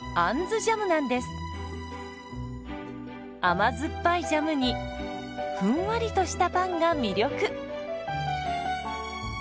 甘酸っぱいジャムにふんわりとしたパンが魅力。